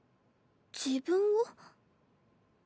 自分を？